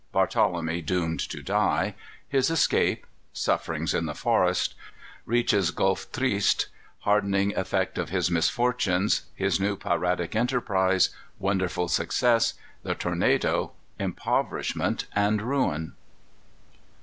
Barthelemy doomed to Die. His Escape. Sufferings in the Forest. Reaches Gulf Triste. Hardening Effect of his Misfortunes. His new Piratic Enterprize. Wonderful Success. The Tornado. Impoverishment and Ruin.